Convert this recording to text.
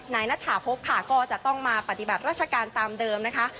ณฐาพบค่ะก็จะต้องมาปฏิบัติราชการตามเดิมนะคะ